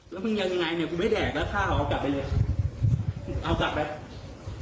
แล้วมึงเอายังไงเนี่ยกูไม่แดกแล้วข้าวเอากลับไปเลยเอากลับไป